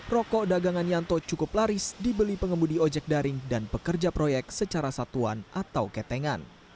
rokok dagangan yanto cukup laris dibeli pengemudi ojek daring dan pekerja proyek secara satuan atau ketengan